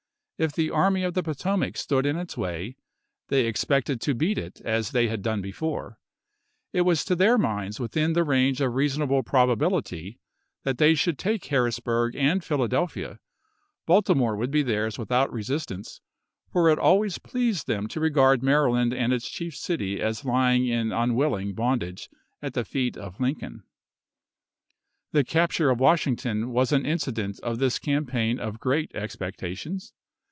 If the Army of the Poto mac stood in its way, they expected to beat it as they had done before. It was to their minds within the range of reasonable probability that they should take Harrisburg and Philadelphia; Baltimore would be theirs without resistance, for it always pleased them to regard Maryland and its chief city as lying in unwilling bondage at the feet of Lincoln. The capture of Washington was an incident of this campaign of great expectations.